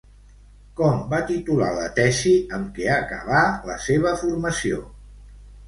Com va titular la tesi amb què acabà la seva formació?